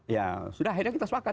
ya sudah akhirnya kita sepakat